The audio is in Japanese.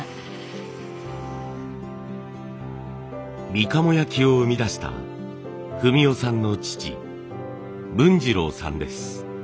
みかも焼を生み出した文雄さんの父文次郎さんです。